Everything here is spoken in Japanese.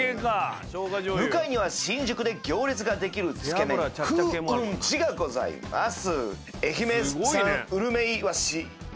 向かいには新宿で行列ができるつけ麺風雲児がございます。